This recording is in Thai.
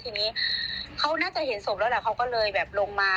ทีนี้เขาน่าจะเห็นศพแล้วแหละเขาก็เลยแบบลงมา